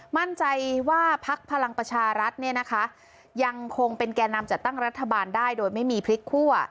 มั่นใจว่าพักพลังประชารัฐเนี่ยนะคะยังคงเป็นแก่นำจัดตั้งรัฐบาลได้โดยไม่มีพลิกคั่ว